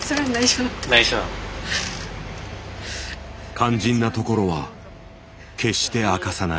肝心なところは決して明かさない。